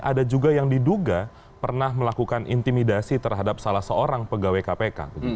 ada juga yang diduga pernah melakukan intimidasi terhadap salah seorang pegawai kpk